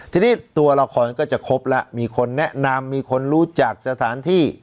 ทีนี้ตัวละครก็จะครบแล้วมีคนแนะนำมีคนรู้จักสถานที่